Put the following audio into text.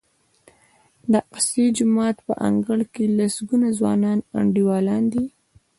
د اقصی جومات په انګړ کې لسګونه ځوانان انډیوالان دي.